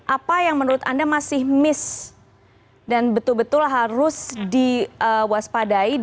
apa yang menurut anda masih miss dan betul betul harus diwaspadai